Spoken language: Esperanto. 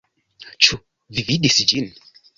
Ĉu vi vidis ĝin?